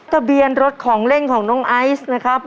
ทะเบียนรถของเล่นของน้องไอซ์นะครับ